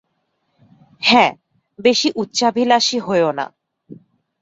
হ্যাঁ, বেশি উচ্চাভিলাষী হয়ো না।